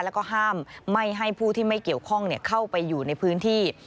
แล้วก็ห้ามไม่ให้ผู้ที่ไม่เกี่ยวข้องเข้าไปอยู่ในพื้นที่